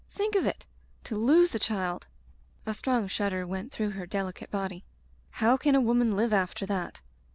Think of it! To lose a child —" A strong shudder went through her delicate body. "How can a woman live after that?